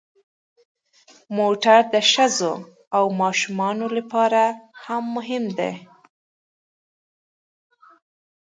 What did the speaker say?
موټر د ښځو او ماشومانو لپاره هم مهم دی.